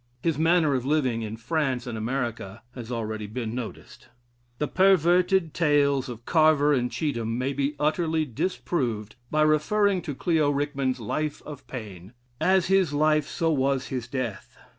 His manner of living in France and America has already been noticed. The perverted tales of Carver and Cheetham may be utterly disproved by referring to Clio Rickman's "Life of Paine." As his life, so was his death.